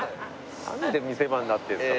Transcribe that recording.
なんで見せ場になってるんですか？